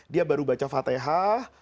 dia baru baca fathah